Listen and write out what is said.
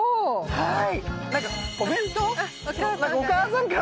はい。